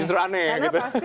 justru aneh ya gitu